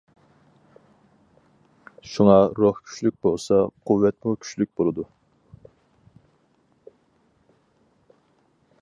شۇڭا روھ كۈچلۈك بولسا، قۇۋۋەتمۇ كۈچلۈك بولىدۇ.